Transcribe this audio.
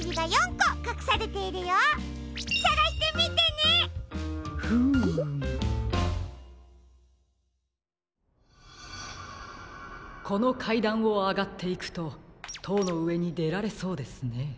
このかいだんをあがっていくととうのうえにでられそうですね。